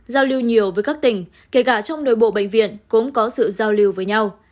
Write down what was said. giao lưu nhiều với các tỉnh kể cả trong nội bộ bệnh viện cũng có sự giao lưu với nhau